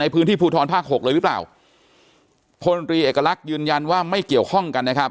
พื้นที่ภูทรภาคหกเลยหรือเปล่าพลตรีเอกลักษณ์ยืนยันว่าไม่เกี่ยวข้องกันนะครับ